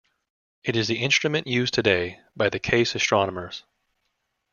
It is the instrument used today by the Case astronomers.